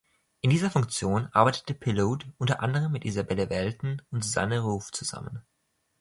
In dieser Funktion arbeitete Pilloud unter anderem mit Isabelle Welton und Susanne Ruoff zusammen.